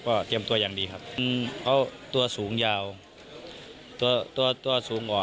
ก็เตรียมตัวอย่างดีครับเขาตัวสูงยาวตัวตัวตัวสูงออก